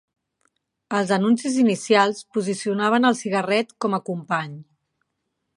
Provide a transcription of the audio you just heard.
Els anuncis inicials posicionaven el cigarret com a company.